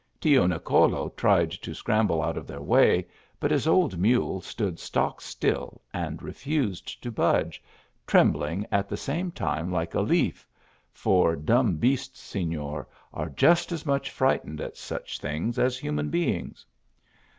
Tio Nicolo tried to scramble out of their way, but his old mule stood stock still and refused to budge, trembling at the same time like a leaf for dumb beasts, Sefior, are just as much frightened at such things as human beings.